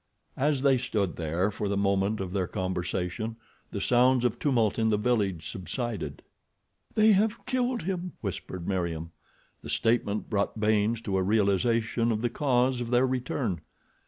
As they stood there for the moment of their conversation the sounds of tumult in the village subsided. "They have killed him," whispered Meriem. The statement brought Baynes to a realization of the cause of their return.